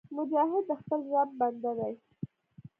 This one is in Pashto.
مجاهد د خپل رب بنده دی